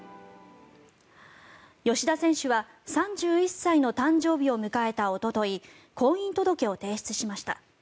吉田選手は３１歳の誕生日を迎えたおととい婚姻届を提出しました。